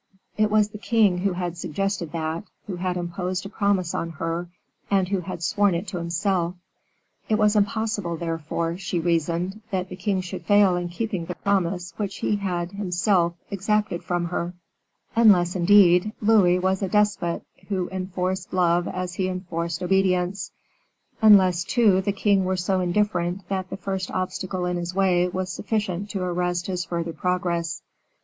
It was the king who had suggested that, who had imposed a promise on her, and who had sworn to it himself. It was impossible, therefore, she reasoned, that the king should fail in keeping the promise which he had himself exacted from her, unless, indeed, Louis was a despot who enforced love as he enforced obedience; unless, too, the king were so indifferent that the first obstacle in his way was sufficient to arrest his further progress.